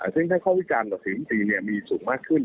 ซึ่งถ้าเข้าวิจารณ์กับศรีมศรีมีสูงมากขึ้น